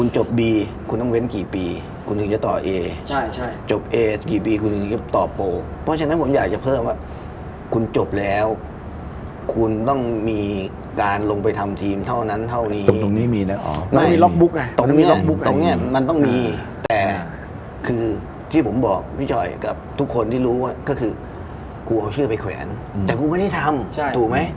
จบบีคุณต้องเว้นกี่ปีคุณถึงจะต่อเอใช่ใช่จบเอกี่ปีคุณต้องต่อโปเพราะฉะนั้นผมอยากจะเพิ่มว่าคุณจบแล้วคุณต้องมีการลงไปทำทีมเท่านั้นเท่านี้ตรงตรงนี้มีแล้วอ๋อไม่ไม่มีล็อกบุ๊กอ่ะตรงนี้มันต้องมีแต่คือที่ผมบอกพี่จ๋อยกับทุกคนที่รู้ว่าก็คือกูเอาเชื่อไปแขวนอืมแต